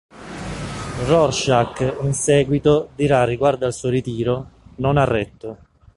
Rorschach in seguito dirà riguardo al suo ritiro: "Non ha retto".